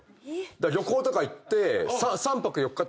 旅行とか行って。